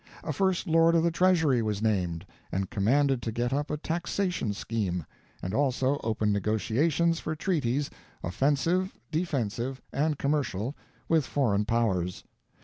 A first lord of the treasury was named, and commanded to get up a taxation scheme, and also open negotiations for treaties, offensive, defensive, and commercial, with foreign powers.